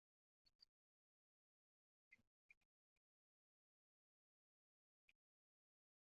南宋灭后不仕。